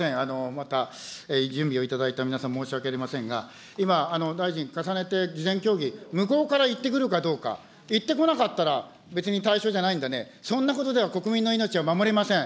また準備をいただいた皆さん、申し訳ありませんが、今、大臣、重ねて事前協議、向こうから言ってくるかどうか、言ってこなかったら、別に対象じゃないんだね、そんなことでは国民の命は守れません。